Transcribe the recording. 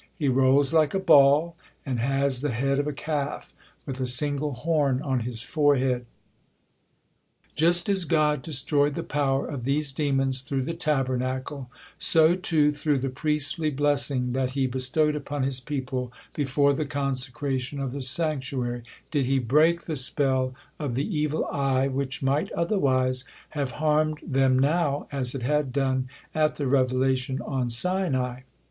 He rolls like a ball and had the head of a calf with a single horn on his forehead. Just as God destroyed the power of these demons through the Tabernacle, so too, through the priestly blessing that He bestowed upon His people before the consecration of the sanctuary, did He break the spell of the evil eye, which might otherwise have harmed them now as it had done at the revelation on Sinai.